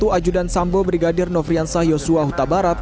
salah satu ajudan sambo brigadir novriansah joshua huta barat